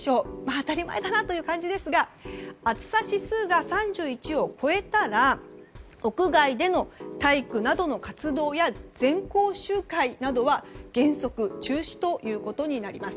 当たり前だなという感じですが暑さ指数が３１を超えたら屋外での体育などの活動や全校集会などは原則中止となります。